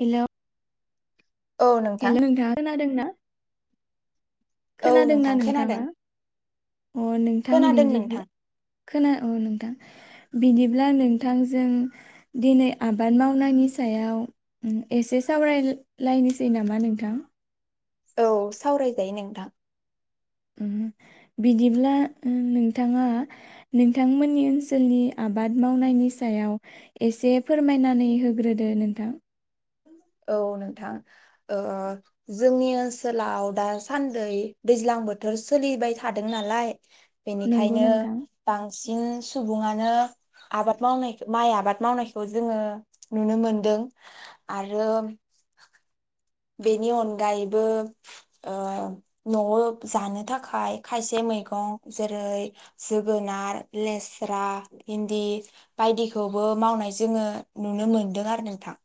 Hello औ नोंथां hello नोंथाङा खोनादों ना? औ खोनादोंना नोंथां खोनादों नोंथाङा अ नोंथां खोनादों बिन्दिब्ला नोंथां खोना अ नोंथां। बिदिब्ला नोंथांजों दिनै आबाद मावनायनि सायाव ओम एसे सावरायलायनोसै सै नामा नोंथां? औ सावरायजायो नोंथां। बिदिब्ला नोंथाङा नोंथांमोननि ओनसोलनि आबाद मावनायनि सायाव एसे फोरमायनानै होग्रोदो नोंथां? औ नोंथां ओ जोंनि ओनसोलाव दासान्दै दैज्लां बोथोर सोलिबाय थादों नालाय नंगौ बेनिखायनो नोंथां बांसिन बिदिन सुबुङानो आबाद मावनायखो माइ आबाद मावनायखौ जोङो नुनो मोनदों आरो [unintelligible] बेनि अनगायैबो ओ नआव जानो थाखाय खायसे मैगं जेरै जोगोनार, लेस्रा, इन्दि बायदिखौबो मावनाय जोङो नुनो मोनदों आरो नोंथां।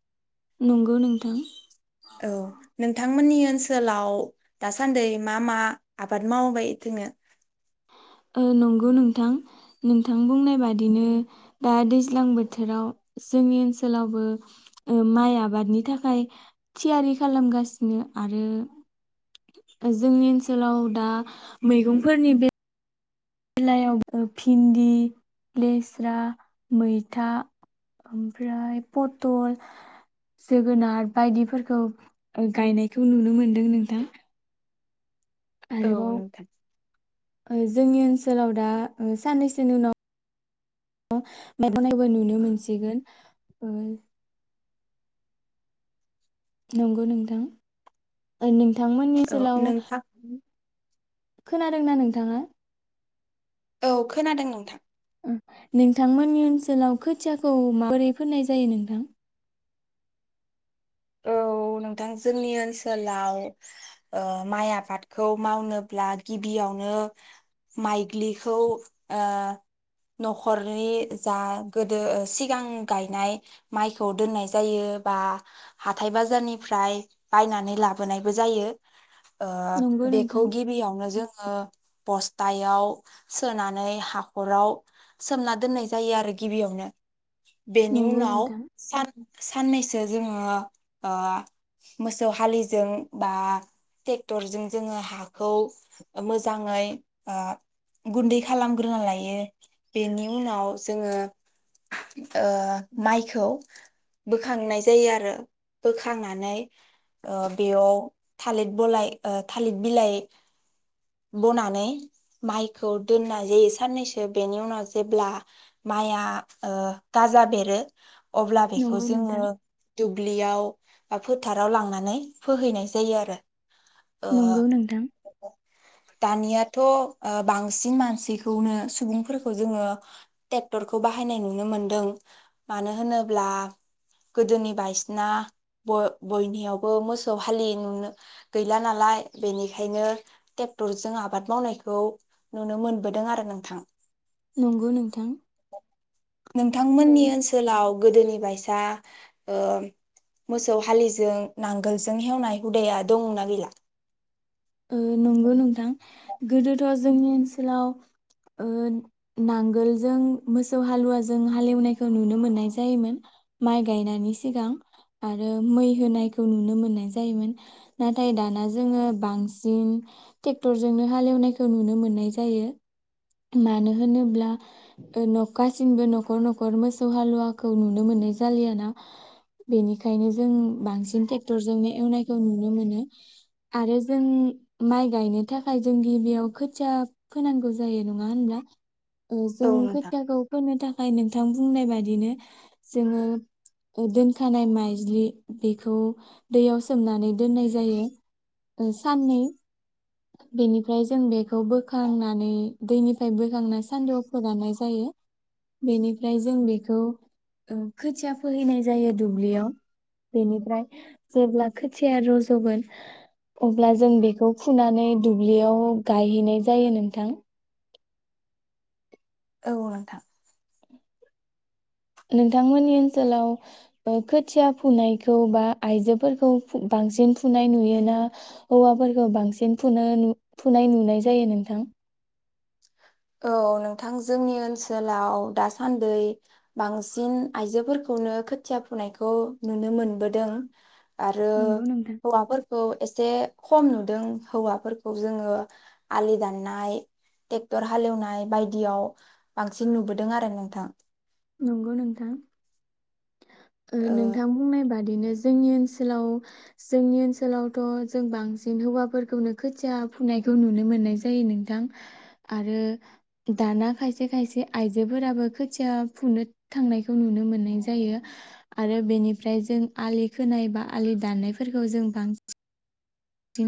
नंगौ नोंथां औ नोंथांमोननि ओनसोलाव दासान्दै मा मा आबाद मावबाय दोङो? औ नंगौ नोंथां नोंथां बुंनाय बादिनो दा दैज्लां बोथोराव जोंनि ओनसोलावबो ओ माइ आबादनि थाखाय थियारि खालामगासिनो आरो जोंनि ओनसोलाव दा मैगंफोरनि बे लायाव भिन्दि, लेस्रा, मैथा, ओमफ्राय पटल, जोगोनार बायदिफोरखौ गायनायखौ नुनो मोनदों नोंथां। औ आरोबाव नोंथां। जोंनि ओनसोलाव दा ओ साननैसोनि उनाव [unintelligible] नुनो मोनसिगोन ओ नंगौ नोंथां। थांमोननि औ ओनसोलाव नोंथां खोनादोंना नोंथाङा? औ खोनादों नोंथां। नोंथांमोननि ओनसोलाव खोथियाखौ माबोरै फोननाय जायो नोंथां? औ नोंथां जोंनि ओनसोलाव ओ माइ आबादखौ मावनोब्ला गिबियावनो माइग्लिखौ ओ नखरनि जा गोदो सिगां गायनाय माइखौ दोननाय जायो बा हाथाय बाजारनिफ्राय बायनानै लाबोनायबो जायो। ओ नंगौ बेखौ नोंथां गिबियावनो जों ओ बस्थायाव सोनानै हाखराव सोमना दोननाय जायो आरो गिबियावनो। बेनि नंगौ उनाव नोंथां सान साननैसो जोङो आ मोसौ हालिजों बा ट्रेक्टरजों जोङो हाखौ मोजाङै आ गुन्दै खालामग्रोना लायो बेनि उनाव जोङो ओ माइखौ बोखांनाय जायो आरो। बोखांनानै ओ बेयाव थालिर बलाय ओ थालिर बिलाइ बनानै माइखौ दोननाय जायो साननैसो बेनि उनाव जेब्ला माइआ ओ गाजा बेरो अब्ला बेखौ नंगौ जोङो नोंथां। दुबि याव बा फोथाराव लांनानै फोहैनाय जायो आरो। ओ नंगौ नोंथां। दानिया थ बांसिन मानसिखौनो सुबुंफोरखौ जोङो टेक्टरखौ बाहायनाय नुनो मोनदों मानो होनोब्ला गोदोनि बायस ना ब-बयनियावबो मोसौ हालि नुनो गैला नालाय बेनिखायनो टेक्टरजों आबाद मावनायखौ नुनो मोनबोदों आरो नोंथां। नंगौ नोंथां नोंथांमोननि ओनसोलाव गोदोनि बायसा ओ मोसौ हालिजों नांगोलजों हेवनाय हुदाया दंना गैला? ओ नंगौ नोंथां गोदोथ जोंनि ओनसोलाव ओ नांगोलजों मोसौ हालुवाजों हालेवनायखौ नुनो मोननाय जायोमोन माइ गायनायनि सिगां आरो मै होनायखौ नुनो मोननाय जायोमोन नाथाय दाना जोङो बांसिन टेक्टरजोंनो हालेवनायखौ नुनो मोननाय जायो मानो होनोब्ला ओ गासिनबो नखर नखर मोसौ हालुवाखौ नुनो मोननाय जालियाना बेनिखायनो जों बांसिन टेक्टरजोंनो एवनायखौ नुनो मोनो आरो जों माइ गायनो थाखाय जों गिबियाव खोथिया फोनांगौ जायो नङा होनब्ला? औ जों खोथाखौ फोननो थाखाय नों थां बुंनाय बादिनो जोङो दोनखानाय माइज्लि बेखौ दैयाव सोमनानै दोननाय जायो ओ साननै बेनिफ्राय जों बेखौ बोखांनानै दैनिफ्राय बोखांनानै सान्दुआव फोरनाय जायो बेनिफ्राय जों बेखौ ओ खोथिया फोहैनाय जायो दुब्लियाव बेनिफ्राय जेब्ला खोथिया रजगोन अब्ला जों बेखौ फुनानै दुब्लियाव गायहैनाय जायो नोंथां। औ नोंथां नोंथांमोननि ओनसोलाव ओ खोथिया फुनायखौ बा आइजोफोरखौ बांसिन फुनाय नुयोना हौवाफोरखौ बांसिन फुनो फुनाय नुनाय जायो नोंथां? औ नोंथां जोंनि ओनसोलाव दासान्दै बांसिन आइजोफोरखौनो खोथिया फुनायखौ नुनो मोनबोदों। आरो नंगौ नोंथां हौवाफोरखौ एसे खम नुदों हौवाफोरखौ जोङो आलि दाननाय टेक्टर हालेवनाय बायदियाव बांसिन नुबोदों आरो नोंथां। नंगौ नोंथां ओ नोंथां बुंनाय बादि बिदिनो जोंनि ओनसोलाव जोंनि ओनसोलावथ जों बांसिन हौवाफोरखौनो खोथिया फुनायखौ नुनो मोननाय जायो नोंथां आरो दाना खायसे खायसे आइजोफोराबो खोथिया फुनो थांनायखौ नुनो मोननाय जायो आरो बेनिफ्राय जों आलि खोनाय बा आलि दाननायफोरखौ जों बांसिन बांसिन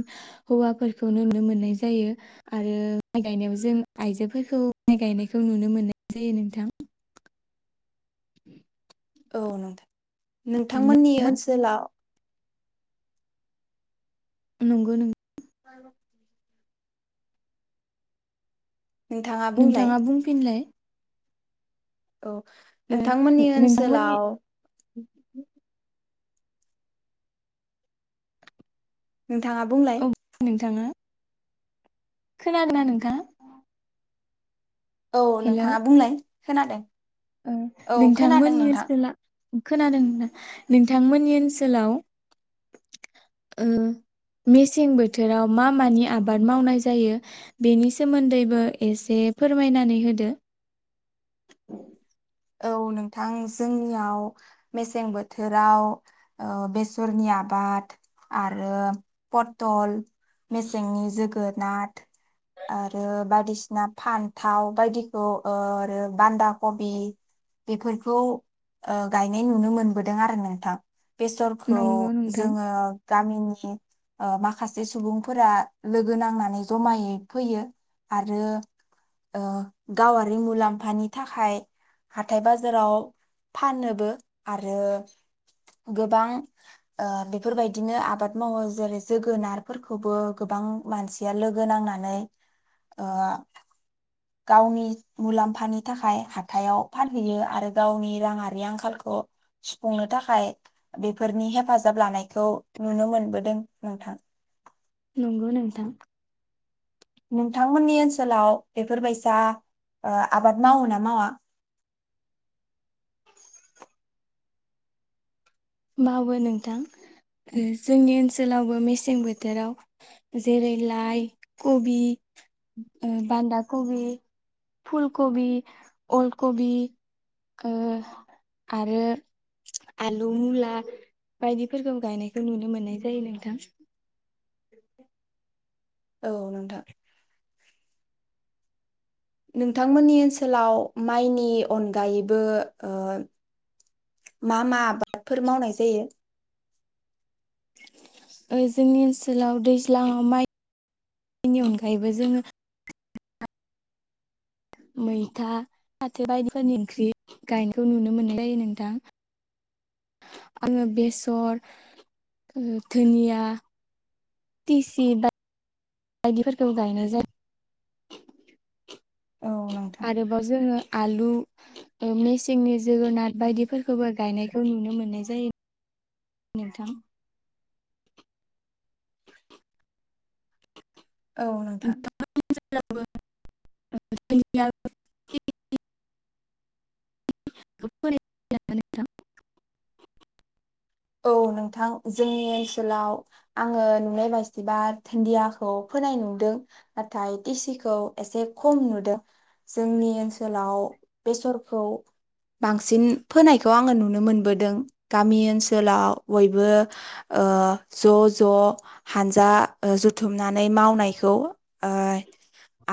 हौवाफोरखौ नुनो मोननाय जायो आरो माइ गायनायाव जों आइजोफोरखौ माइ गायनायखौ नुनो मोननाय जायो नोंथां [inaudible] औ नोथां नोंथांमोननि ओनसोलाव नोंगौ नों [unintelligible] नोंथाङा बुंफिनलाय औ ओ नोंथांमोननि नोंथांमोननि ओनसोलाव [inaudible] नोंथाङा बुंलाय औ नोंथाङा खोनादोंना नोंथाङा औ हेलौ नोंथाङा बुंलाय खोनादों ओ औ खोनादों नोंथांमोननि नोंथां ओनसोला खोनादों नोंथांमोननि ओनसोलाव ओ मेसें बोथोराव मा मानि आबाद मावनाय जायो बेनि सोमोन्दैबो एसे फोरमायनानै होदो औ नोंथां जोंनियाव मेसें बोथोराव ओ बेसरनि आबाद आरो पथल मेसेंनि जोगोनाथ आरो बायदिसिना फान्थाव बायदिखौ ओ आरो बान्दा कबि बेफोरखौ गायनाय ओ नुनो मोनबोदों आरो नोंथां बेसरखौ नंगौ नोंथां जोङो गामिनि ओ माखासे सुबुंफोरा लोगो नांनानै जमायै फैयो आरो ओ गावारि मुलाम्फानि थाखाय हाथाय बाजाराव फानोबो आरो गोबां ओ बेफोरबायदिनो आबाद मावो जेरै जोगोनारफोरखौबो गोबां मानसिया लोगो नांनानै ओ गावनि मुलाम्फानि थाखाय हाथायाव फानहैयो आरो गावनि राङारि आंखालखौ सुफुंनो थाखाय बेफोरनि हेफाजाब लानायखौ नुनो मोनबोदों नोंथां नोंगौ नोंथां नोंथांमोननि ओनसोलाव बेफोरबायसा आबाद मावो ना मावा मावो नोंथां जोंनि ओनसोलावबो मेसें बोथोराव जेरै लाइ कबि ओ बान्दा कबि फुलकबि अलकबि ओ आरो आलु मुला आ बायदिफोरखौ गायनायखौ नुनो मोननाय जायो नोंथां औ नोंथां नोंथांमोननि ओनसोलाव माइनि अनगायैबो ओ मा मा आबादफोर मावनाय जायो जोंनि ओनसोलाव दैज्लाङाव माइनि अनगायैबो जोङो मैथा फाथो बायदिफोरनि ओंख्रि गायनायखौ नुनो मोननाय जायो नोंथां आङो बेसर धुनिया तिसि बायदिफोरखौ गायनाय जायो औ नोंथां आरोबाव जोङो आलु मेसेंनि जोगोनार बायदिफोरखौबो गायनायखौ नुनो मोन्नाय जायो नोंथां औ नोंथां [inaudible] औ नोंथां जोंनि ओनसोलाव आङो नुनाय बायदिबा दुन्दियाखौ फोनाय नुदों नाथाय टिसिखौ एसे खम नुदों जोंनि ओनसोलाव बेसरखौ बांसिन फोनायखौ आङो नुनो मोनबोदों गामि ओनसोल जोलाव बयबो ज ज हानजा जुथुमनानै मावनायखौ ओ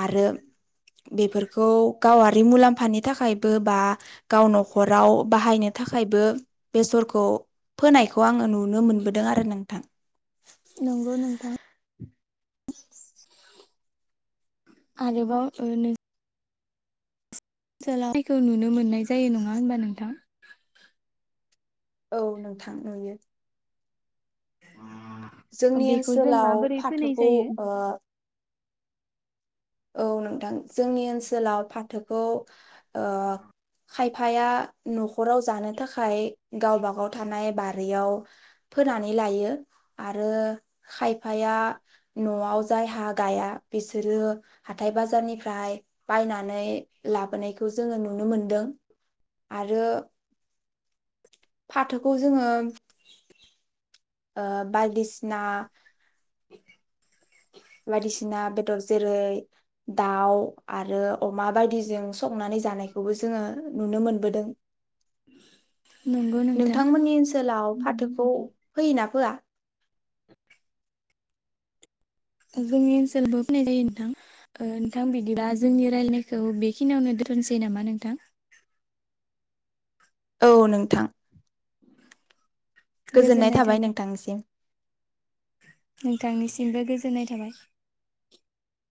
आरो बेफोरखौ गावारि मुलाम्फानि थाखायबो बा गाव नखराव बाहायनो थाखायबो बेसरखौ फोनायखौ आङो नुनो मोनबोदों आरो नोंथां नोंगौ नोंथां आरोबाव नों [unintelligible] जायखौ नुनो मोननाय जायो नङा होनबा नोंथां औ नोंथां नुयो। जोंनि बेखौ जों ओनसोलाव माबोरै फोनाय फाथोखौ जायो? ओ औ नोंथां जोंनि ओनसोलाव फाथोखौ ओ खायफाया नखराव जानो थाखाय गावबागाव थानाय बारियाव फोनानै लायो आरो खायफाया नआव जायहा गाया बिसोरो हाथाइ बाजारनिफ्राय बायनानै लाबोनायखौ जोङो नुनो मोनदों आरो फाथोखौ जोङो ओ बायदिसिना बायदिसिना बेदर जेरै दाव आरो अमा बायदिजों संनानै जानायखौबो जोङो नुनो मोनबोदों। नंगौ नोंथां नोंथांमोननि ओनसोलाव फाथोखौ फोयोना फोया? जोंनि ओनसोलावबो फोनाय जायो नोंथां नोंथां बिदिबा जोंनि रायलानायखौ बेखिनियावनो दोनथनोसै नामा नोंथां? औ नोंथां। गोजोननाय थाबाय नोंथांनिसिम। नोंथांनिसिमबो गोजोननाय थाबाय।